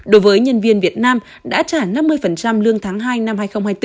đối với nhân viên việt nam đã trả năm mươi lương tháng hai năm hai nghìn hai mươi bốn